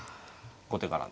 後手から。